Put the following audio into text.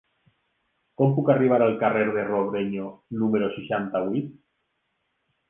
Com puc arribar al carrer de Robrenyo número seixanta-vuit?